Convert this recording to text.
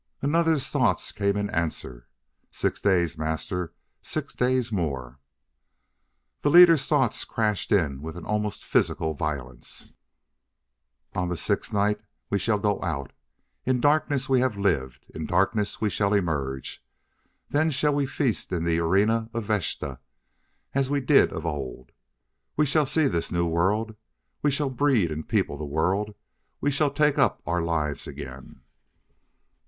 And another's thoughts came in answer: "Six days, Master; six days more." The leader's thoughts crashed in with an almost physical violence: "On the sixth night we shall go out! In darkness we have lived; in darkness we shall emerge. Then shall we feast in the arena of Vashta as we did of old. We shall see this new world; we shall breed and people the world; we shall take up our lives again.